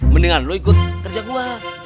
mendingan lu ikut kerja gua